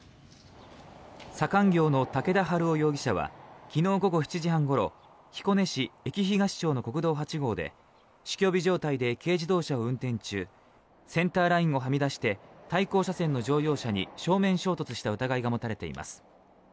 左官業の竹田春男容疑者は昨日午後７時半ごろ彦根市駅東町の国道８号で酒気帯び状態で軽自動車を運転中センターラインをはみ出して対向車線の乗用車に正面衝突した疑いが持たれています。